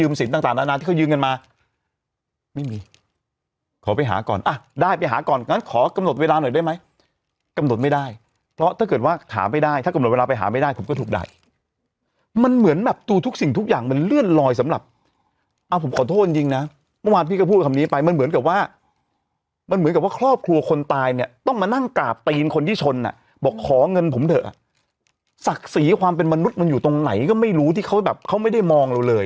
อืมสินต่างต่างนานที่เขายืนกันมาไม่มีขอไปหาก่อนอ่ะได้ไปหาก่อนงั้นขอกำหนดเวลาหน่อยได้ไหมกำหนดไม่ได้เพราะถ้าเกิดว่าหาไม่ได้ถ้ากำหนดเวลาไปหาไม่ได้ผมก็ถูกได้มันเหมือนแบบดูทุกสิ่งทุกอย่างมันเลื่อนลอยสำหรับอ่ะผมขอโทษจริงจริงน่ะเมื่อวานพี่ก็พูดคำนี้ไปมันเหมือนกับว่ามันเห